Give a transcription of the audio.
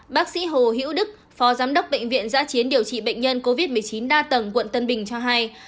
bác sĩ hồ hữu đức phó giám đốc bệnh viện giã chiến điều trị bệnh nhân covid một mươi chín đa tầng quận tân bình cho hay